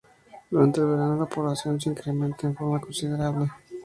Durante el verano, la población se incrementa en forma considerable.